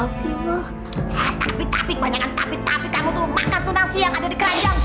tapi tapi kebanyakan tapi kamu tuh makan tuh nasi yang ada di keranjang